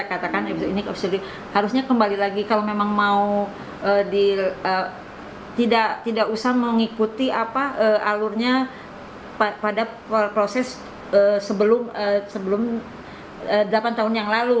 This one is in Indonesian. katakan ini harusnya kembali lagi kalau memang mau tidak usah mengikuti alurnya pada proses sebelum delapan tahun yang lalu